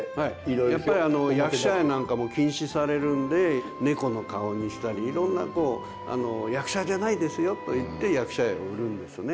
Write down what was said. やっぱり役者絵なんかも禁止されるんでネコの顔にしたりいろんなこう役者じゃないですよと言って役者絵を売るんですよね。